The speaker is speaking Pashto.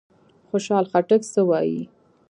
خوشحال خټک څه وايي؟